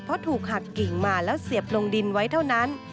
เพราะถูกหักกิ่งมาแล้วเสียบลงดินไว้เท่านั้น